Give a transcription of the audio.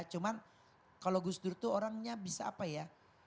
cuman kalau gus dur itu orangnya bisa apa ya